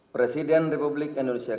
presiden republik indonesia kecil